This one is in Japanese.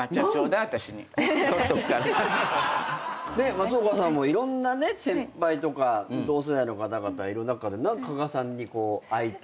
松岡さんもいろんな先輩とか同世代の方々いる中で加賀さんに会いたいなって。